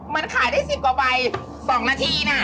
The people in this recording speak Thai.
มันขายได้๑๐กว่าใบ๒นาทีนะ